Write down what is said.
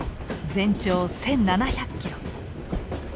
全長１，７００キロ。